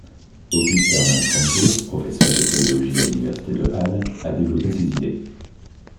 August Hermann Francke, professeur de théologie à l'université de Halle, a développé ses idées.